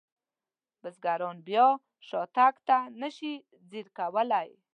بزګران بیا شاتګ ته نشي ځیر کولی.